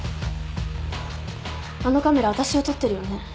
あのカメラわたしを撮ってるよね？